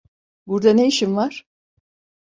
Burda ne işin var?